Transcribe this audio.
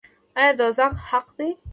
آیا دوزخ حق دی؟